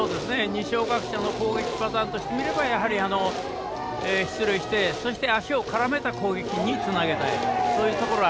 二松学舍の攻撃パターンとしてみれば出塁して、そして足を絡めた攻撃につなげたい。